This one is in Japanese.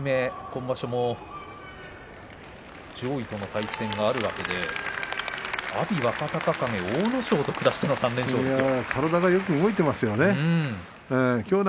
今場所も上位との対戦があるわけで阿炎、若隆景阿武咲と下しての３連勝ですよ。